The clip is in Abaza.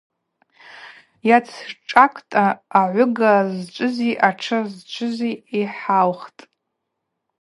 Йацшӏакӏта, агӏвыга зчӏвызи атшы зчӏвызи Йхӏаухтӏ.